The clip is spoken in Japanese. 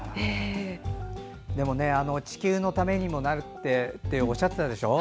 地球のためにもなるっておっしゃってたでしょ。